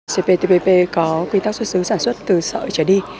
cptpp có quy tắc xuất xứ sản xuất từ sợi trở đi